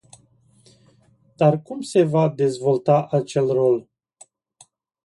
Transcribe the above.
Dar cum se va dezvolta acel rol?